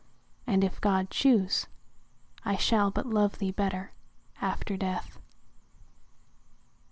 —and, if God choose, I shall but love thee better after death.